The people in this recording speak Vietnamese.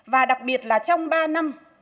và đặc biệt là trong ba năm